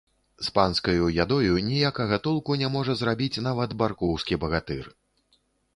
З панскаю ядою ніякага толку не можа зрабіць нават баркоўскі багатыр.